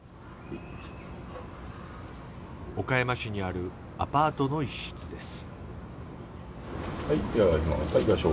岡山市にあるアパートの一室です。